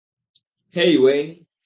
হেই, Wayne?